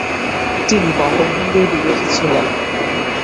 তিনি বঙ্গভঙ্গের বিরোধী ছিলেন।